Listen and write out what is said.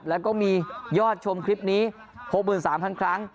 แล้วก็มียอดชมคลิปนี้๖๓๐๐ครั้ง